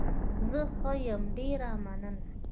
زه ښه يم، ډېره مننه.